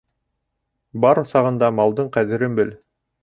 Бар сағында малдың ҡәҙерен бел.